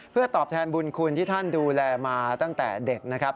เพื่อตอบแทนบุญคุณที่ท่านดูแลมาตั้งแต่เด็กนะครับ